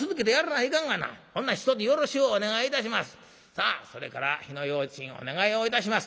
さあそれから火の用心お願いをいたします。